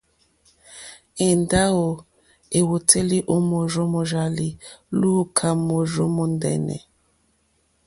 Èndáwò èwòtélì ó mòrzó mòrzàlì lùúkà móòrzó mòndɛ́nɛ̀.